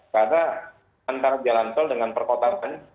karena antara jalan tol dengan perkotaan